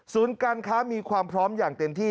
การค้ามีความพร้อมอย่างเต็มที่